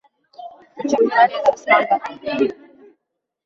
uchib yurar edi osmonda